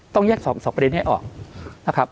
ต้องแยก๒ประเด็นให้ออกนะครับ